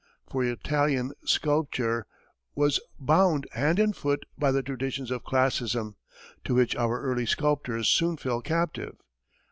For Italian sculpture was bound hand and foot by the traditions of classicism, to which our early sculptors soon fell captive.